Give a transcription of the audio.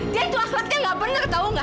dia itu akhlaknya nggak benar tahu nggak